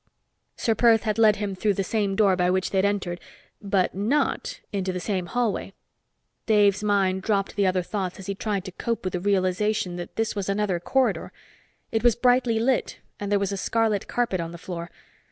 Ser Perth had led him through the same door by which they'd entered but not into the same hallway. Dave's mind dropped the other thoughts as he tried to cope with the realization that this was another corridor. It was brightly lit, and there was a scarlet carpet on the floor.